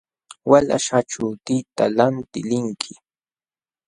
Walaśh, achuutita lantiq linki.